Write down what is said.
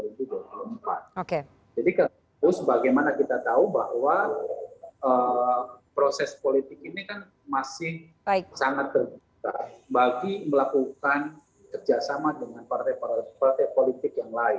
oke jadi bagaimana kita tahu bahwa proses politik ini kan masih sangat terbuka bagi melakukan kerjasama dengan partai partai politik yang lain